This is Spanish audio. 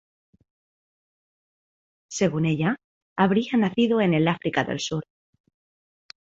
Según ella, habría nacido en África del Sur.